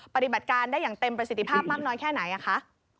ปฏิบัติการได้อย่างเต็มประสิทธิภาพมากน้อยแค่ไหนคะ